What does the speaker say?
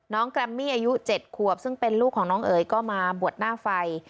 แกรมมี่อายุ๗ขวบซึ่งเป็นลูกของน้องเอ๋ยก็มาบวชหน้าไฟ